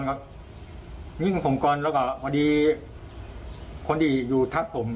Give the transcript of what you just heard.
เราเอาเข้าไปวางหัวก็แสบกับสุนะคะ